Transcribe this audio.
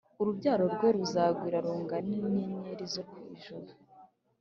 Urubyaro rwe ruzagwira rungane n’inyenyeri zo ku ijuru